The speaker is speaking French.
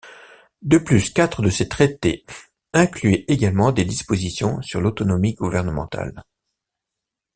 De plus, quatre de ces traités incluaient également des dispositions sur l'autonomie gouvernementale.